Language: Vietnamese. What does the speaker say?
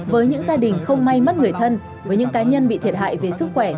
với những gia đình không may mất người thân với những cá nhân bị thiệt hại về sức khỏe